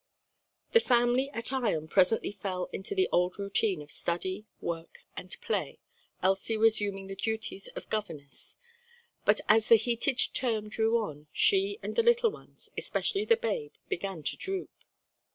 The family at Ion presently fell into the old routine of study, work and play, Elsie resuming the duties of governess; but as the heated term drew on, she and the little ones, especially the babe, began to droop.